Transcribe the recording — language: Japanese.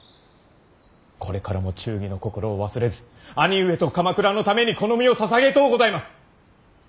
これからも忠義の心を忘れず兄上と鎌倉のためにこの身を捧げとうございます。